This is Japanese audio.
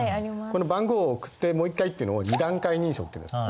この番号を送ってもう一回っていうのを２段階認証っていうんです。